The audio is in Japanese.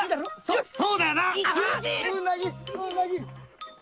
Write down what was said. よしそうだよな！